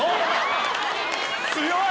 強い！